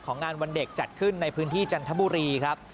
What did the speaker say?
งานวันเด็กจัดขึ้นในพื้นที่จันทบุรีครับ